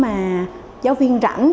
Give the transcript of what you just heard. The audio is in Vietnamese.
mà giáo viên rảnh